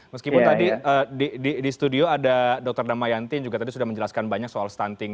meskipun tadi di studio ada dr damayanti yang juga tadi sudah menjelaskan banyak soal stunting